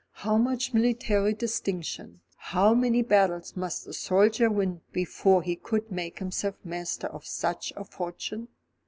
How much military distinction, how many battles must a soldier win before he could make himself master of such a fortune?